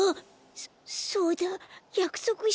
そそうだやくそくしたんだ。